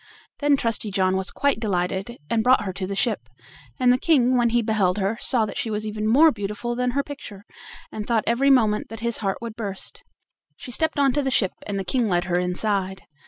Then Trusty John was quite delighted, and brought her to the ship; and the King, when he beheld her, saw that she was even more beautiful than her picture, and thought every moment that his heart would burst. She stepped on to the ship, and the King led her inside.